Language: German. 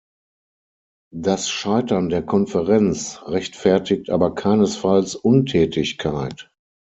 Das Scheitern der Konferenz rechtfertigt aber keinesfalls Untätigkeit.